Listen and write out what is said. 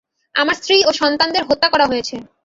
আমার স্ত্রী ও সন্তানদের হত্যা করা হয়েছে।